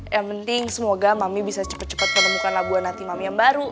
yang penting semoga mami bisa cepat cepat menemukan labuan hati mami yang baru